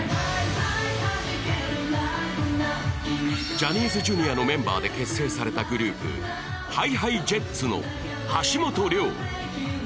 ジャニーズＪｒ．のメンバーで結成されたグループＨｉＨｉＪｅｔｓの橋本涼。